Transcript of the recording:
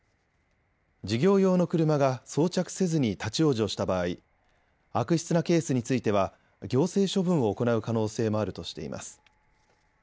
事業用の車が装着せずに立往生した場合悪質なケースについては行政処分を行う可能性もあるとしています。